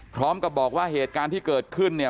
พร้อมกับบอกว่าเหตุการณ์ที่เกิดขึ้นเนี่ย